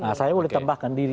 nah saya mulai tembakkan diri